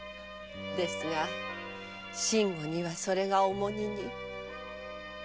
ですが信吾にはそれが重荷に。